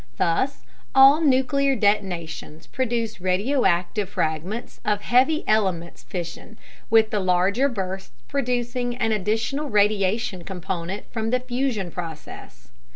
Thus, all nuclear detonations produce radioactive fragments of heavy elements fission, with the larger bursts producing an additional radiation component from the fusion process.